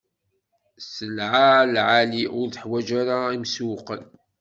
Sselɛa lɛali, ur teḥwaǧ ara imsewwqen.